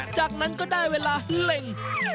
จากนั้นก็ได้เวลาเล็ง